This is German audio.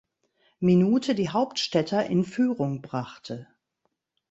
Minute die Hauptstädter in Führung brachte.